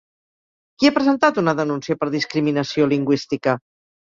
Qui ha presentat una denúncia per discriminació lingüística?